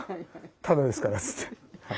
タダですからって。